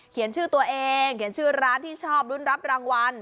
ชื่อตัวเองเขียนชื่อร้านที่ชอบรุ้นรับรางวัล